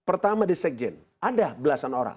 pertama di sekjen ada belasan orang